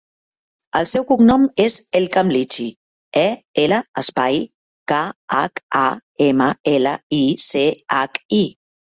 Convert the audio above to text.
El seu cognom és El Khamlichi: e, ela, espai, ca, hac, a, ema, ela, i, ce, hac, i.